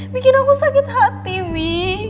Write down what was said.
bikin aku sakit hati mi